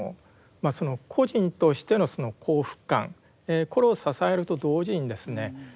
個人としてのその幸福感これを支えると同時にですね